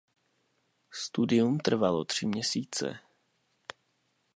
Studium trvalo tři měsíce.